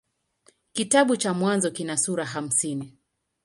Kitabu cha Mwanzo kina sura hamsini.